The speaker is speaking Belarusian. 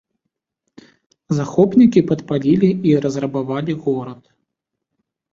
Захопнікі падпалілі і разрабавалі горад.